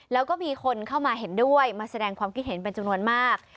แล้วก็มีคนเข้ามาเห็นด้วยมาแสดงความคิดเห็นเป็นจำนวนมาก